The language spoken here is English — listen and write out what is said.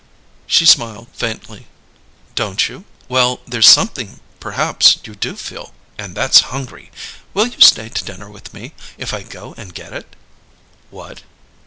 She smiled faintly. "Don't you? Well, there's something perhaps you do feel, and that's hungry. Will you stay to dinner with me if I go and get it?" "What?"